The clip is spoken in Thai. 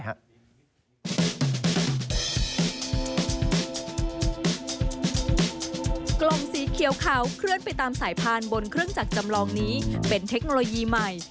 สีเขียวขาวเคลื่อนไปตามสายพานบนเครื่องจักรจำลองนี้เป็นเทคโนโลยีใหม่